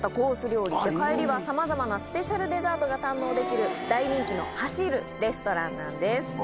料理帰りはさまざまなスペシャルデザートが堪能できる大人気の走るレストランなんです。